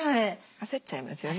焦っちゃいますよね。